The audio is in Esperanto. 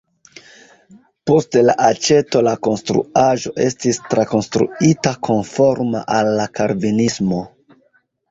Post la aĉeto la konstruaĵo estis trakonstruita konforma al la kalvinismo.